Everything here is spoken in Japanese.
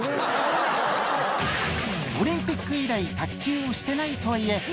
オリンピック以来卓球をしてないとはいえ